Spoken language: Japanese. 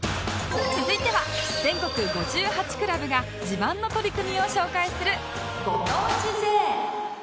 続いては全国５８クラブが自慢の取り組みを紹介するご当地 Ｊ